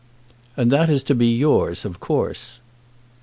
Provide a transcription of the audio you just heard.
"And that is to be yours, of course."